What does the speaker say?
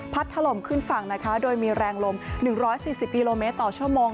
ถล่มขึ้นฝั่งนะคะโดยมีแรงลม๑๔๐กิโลเมตรต่อชั่วโมง